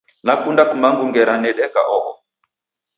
Nakunda kumangu ngera nedeka oho.